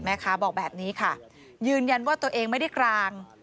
แม่ค้าบอกแบบนี้ค่ะยืนยันว่าตัวเองไม่ได้กลาง